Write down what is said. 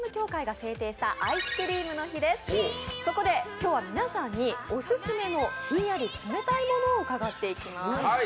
今日は皆さんにオススメのひんやり冷たいものを伺っていきます。